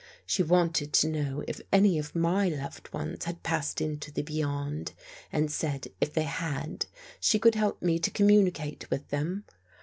She wanted to know if any of my loved ones had passed into the beyond, and said if they had, she could help me to communicate with them.